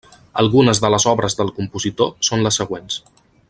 Algunes de les obres del compositor són les següents.